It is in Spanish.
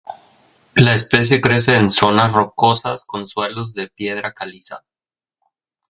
La especie crece en zonas rocosas con suelos de piedra caliza.